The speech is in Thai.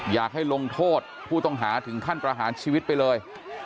อยากให้ลงโทษผู้ต้องหาถึงขั้นประหารชีวิตไปเลย